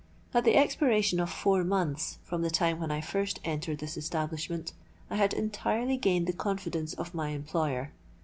At the expiration of four months from the time when I first entered this establishment, I had entirely gained the confidence of my employer.